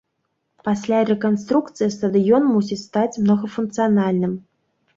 Пасля рэканструкцыі стадыён мусіць стаць многафункцыянальным.